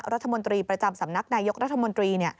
รัฐมนตรีประจำสำนักนายกรัฐมนตรี